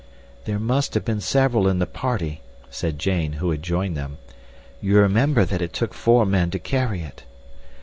"There must have been several in the party," said Jane, who had joined them. "You remember that it took four men to carry it."